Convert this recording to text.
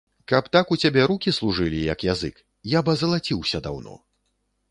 Каб так у цябе рукі служылі, як язык, я б азалаціўся даўно.